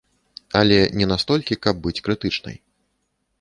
Але не настолькі, каб быць крытычнай.